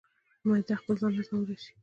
معده خپل ځان هضمولی شي.